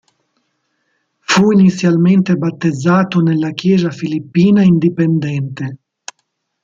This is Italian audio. Fu inizialmente battezzato nella Chiesa filippina indipendente.